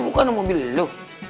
bukan mobil lu